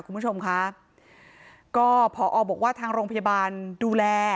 คุณผู้ชมคะก็พอบอกว่าทางโรงพยาบาลดูแล